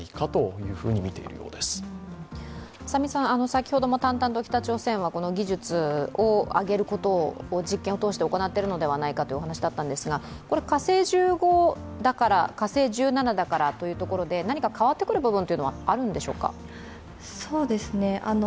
先ほども淡々と北朝鮮はこの技術を上げることを実験を通して行っているのではないかというお話だったんですが火星１５だから、火星１７だからというところで、何か変わってくる部分はあるんでしょうか？